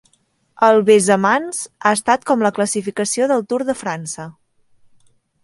El besamans ha estat com la classificació del Tour de França.